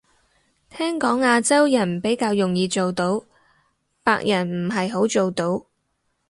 聽講亞洲人比較容易做到，白人唔係好做到